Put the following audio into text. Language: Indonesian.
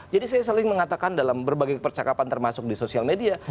jadi saya selalu mengatakan dalam berbagai percakapan termasuk di sosial media